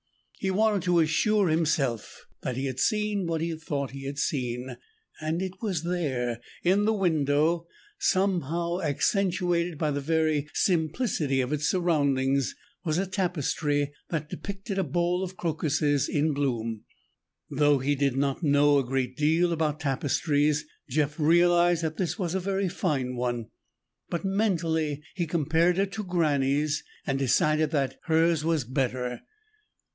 He wanted to assure himself that he had seen what he thought he had seen, and it was there. In the window, somehow accentuated by the very simplicity of its surroundings, was a tapestry that depicted a bowl of crocuses in bloom. Though he did not know a great deal about tapestries, Jeff realized that this was a very fine one. But mentally he compared it to Granny's, and decided that hers was better.